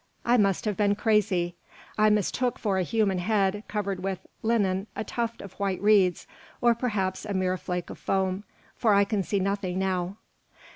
I must have been crazy. I mistook for a human head covered with linen a tuft of white reeds, or perhaps a mere flake of foam, for I can see nothing now."